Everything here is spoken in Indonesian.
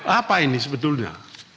apa ini sebetulnya